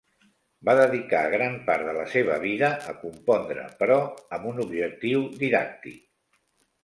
Va dedicar gran part de la seva vida a compondre, però amb un objectiu didàctic.